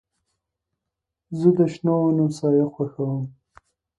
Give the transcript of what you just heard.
زه د شنو ونو سایه خوښوم.